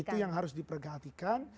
itu yang harus diperhatikan